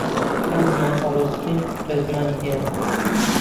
کام زمان ئاڵۆزترین ڕێزمانی هەیە؟